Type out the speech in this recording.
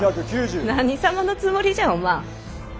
何様のつもりじゃお万。